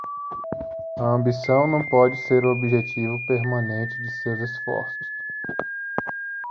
A ambição não pode ser o objetivo permanente de seus esforços.